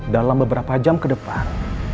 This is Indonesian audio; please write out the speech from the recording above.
dalam beberapa jam ke depan